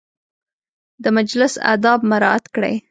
د مجلس اداب مراعت کړئ